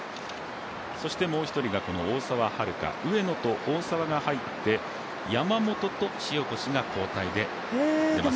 そしてもう一人が大澤春花、上野と大澤が入って山本と塩越が交代で出ます。